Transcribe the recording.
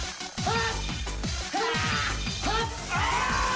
あっ！